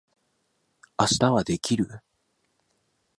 明日はできる？